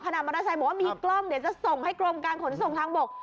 มอเตอร์ไซค์บอกว่ามีกล้องเดี๋ยวจะส่งให้กรมการขนส่งทางบก